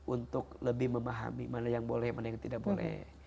untuk lebih memahami mana yang boleh mana yang tidak boleh